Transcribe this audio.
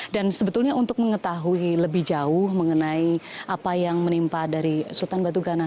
dan sebetulnya untuk mengetahui lebih jauh mengenai apa yang menimpa dari sultan batu gana